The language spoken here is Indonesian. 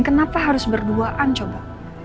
kenapa harus berduaan coba